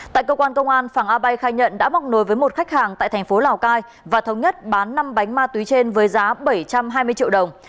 tại cơ quan công an phàng a bay khai nhận đã móc nối với một khách hàng tại thành phố lào cai và thống nhất bán năm bánh ma túy trên với giá bảy trăm hai mươi triệu đồng